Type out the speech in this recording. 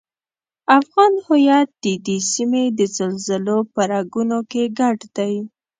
افغان هویت ددې سیمې د زلزلو په رګونو کې ګډ دی.